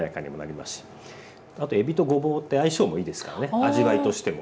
あとえびとごぼうって相性もいいですからね味わいとしても。